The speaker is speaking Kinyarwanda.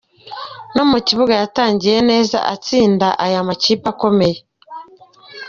No mu kibuga yatangiye neza itsinda aya makipe akomeye.